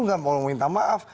tidak mau minta maaf